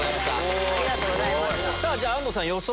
じゃ安藤さん予想。